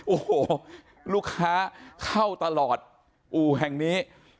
โอ้โหลูกค้าเข้าตลอดอู่แห่งนี้